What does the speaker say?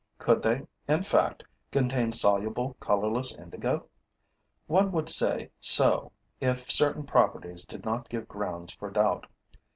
Could they, in fact, contain soluble, colorless indigo? One would say so, if certain properties did not give grounds for doubt.